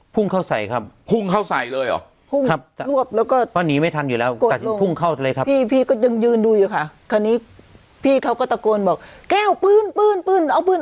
ฮุ่งเขาใส่ครับฮุ่งเขาใส่เลยขับแล้ววอกแล้วก็นี้ไม่ทำอยู่แล้วกดไปพุ่งเข้าเลยครับที่กดยังยืนดูอยู่ค่ะคร้านี้พี่เขาก็ตะโกนบอกแก้วปืนเอาเป็น